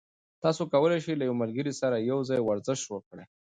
تاسي کولای شئ له یو ملګري سره یوځای ورزش وکړئ.